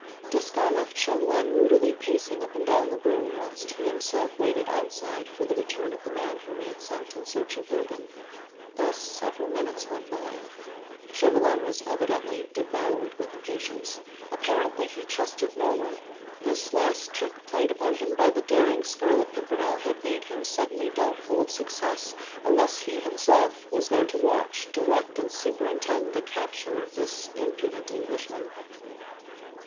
Desgas had left Chauvelin moodily pacing up and down the room, whilst he himself waited outside for the return of the man whom he had sent in search of Reuben. Thus several minutes went by. Chauvelin was evidently devoured with impatience. Apparently he trusted no one: this last trick played upon him by the daring Scarlet Pimpernel had made him suddenly doubtful of success, unless he himself was there to watch, direct and superintend the capture of this impudent Englishman.